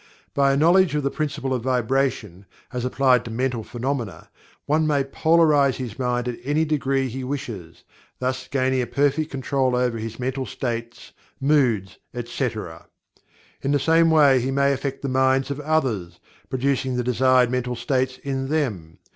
By a knowledge of the Principle of Vibration, as applied to Mental Phenomena, one may polarize his mind at any degree he wishes, thus gaining a perfect control over his mental states, moods, etc. In the same way he may affect the minds of others, producing the desired mental states in them.